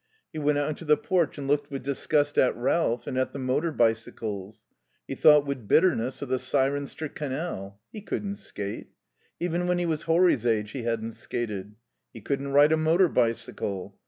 He went out into the porch and looked with disgust at Ralph and at the motor bicycles. He thought with bitterness of the Cirencester canal. He couldn't skate. Even when he was Horry's age he hadn't skated. He couldn't ride a motor bicycle.